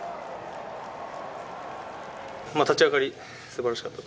立ち上がり、すばらしかった